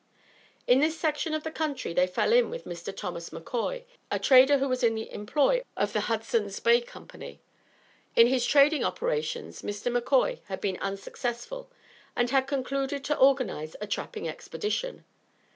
In this section of the country they fell in with Mr. Thomas McCoy, a trader who was in the employ of the Hudson's Bay Company. In his trading operations Mr. McCoy had been unsuccessful and had concluded to organize a trapping expedition.